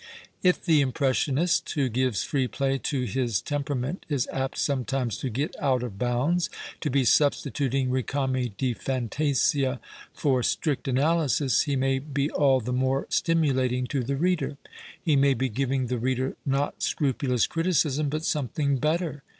If the " impressionist " who gives free play to his tem perament is apt sometimes to get out of bounds — to be substituting ricami di fantasia for strict analysis — he may be all the more stinnilating to the reader. He may be giving the reader not scrupu lous criticism, but something better.